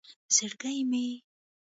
زرگی مې